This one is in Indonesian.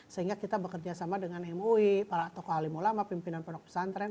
sehingga kita bekerjasama dengan mui para tokoh alim ulama pimpinan pendok pesantren